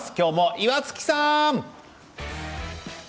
岩槻さん！